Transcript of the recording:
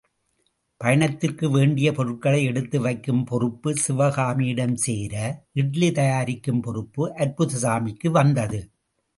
பயணத்திற்கு வேண்டிய பொருட்களை எடுத்து வைக்கும் பொறுப்பு சிவகாமியிடம் சேர, இட்லி தயாரிக்கும் பொறுப்பு அற்புதசாமிக்கு வந்தது.